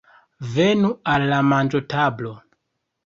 Venu al la manĝotablo.